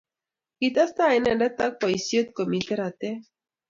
kitestai inendet ak boisiet komito ratet